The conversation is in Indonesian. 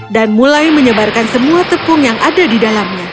dan mulai menyebarkan semua tepung yang ada di dalamnya